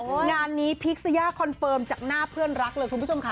งานนี้พิกษยาคอนเฟิร์มจากหน้าเพื่อนรักเลยคุณผู้ชมค่ะ